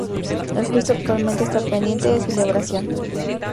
El juicio actualmente está pendiente de celebración.